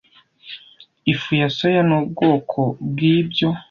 Ifu ya soya ni ubwoko bwibyo